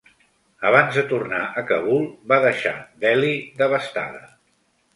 Abans de tornar a Kabul va deixar Delhi devastada.